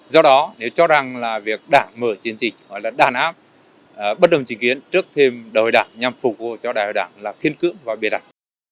do đó nếu cho rằng là việc đảng mở chiến dịch hoặc là đàn áp bất đồng trình kiến trước thêm đại hội đảng nhằm phục vụ cho đại hội đảng là khiên cưỡng và bia đặt